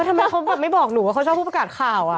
ทำไมเขาแบบไม่บอกหนูว่าเขาชอบผู้ประกาศข่าว